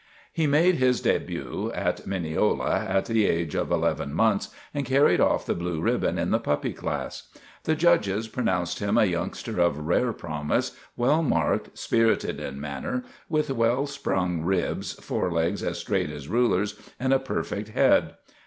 He made his debut at Mineola at the age of eleven months, and carried off the blue ribbon in the puppy class. The judges pronounced him a youngster of rare promise, well marked, spirited in manner, with well sprung ribs, forelegs as straight as rulers, and a perfect head.